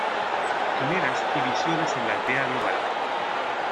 Quimeras y Visiones en la Aldea Global".